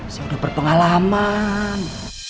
saya udah berpengalaman